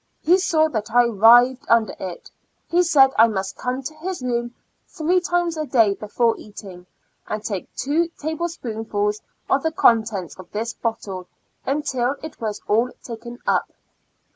He saw that I writhed under it. He said I must come to his room three times a day before eating, and take two table spoonfuls of the contents of this bottle, until it was all taken up.